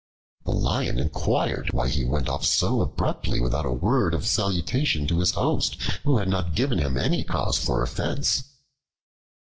The Lion inquired why he went off so abruptly without a word of salutation to his host, who had not given him any cause for offense.